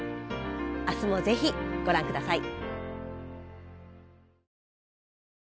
明日も是非ご覧ください。